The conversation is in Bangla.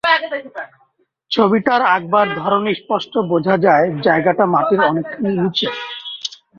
ছবিটার আঁকবার ধরনে স্পষ্ট বোঝা যায় জায়গাটা মাটির অনেকখানি নিচে।